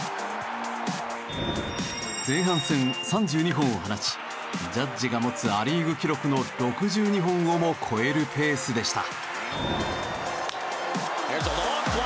前半戦３２本を放ちジャッジが持つア・リーグ記録の６２本をも超えるペースでした。